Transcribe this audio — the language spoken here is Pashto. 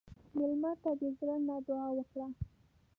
مېلمه ته د زړه نه دعا وکړه.